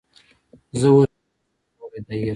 زه اوس هم نشم کولی دا هیر کړم